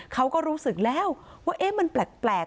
เขาก็รู้สึกแล้วว่ามันแปลก